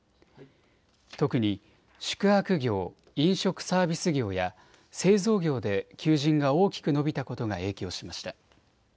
特に宿泊業、飲食サービス業や製造業で求人が大きく伸びたことが影響しました。